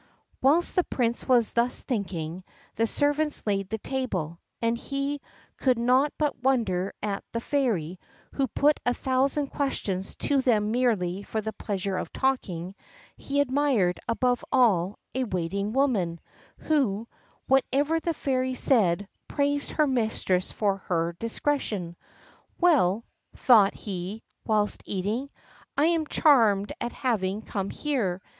Whilst the Prince was thus thinking, the servants laid the table, and he could not but wonder at the Fairy, who put a thousand questions to them merely for the pleasure of talking; he admired, above all, a waiting woman, who, whatever the Fairy said, praised her mistress for her discretion. "Well," thought he, whilst eating, "I am charmed at having come here.